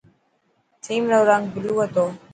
ٿيم رو رنگ بلو هتو.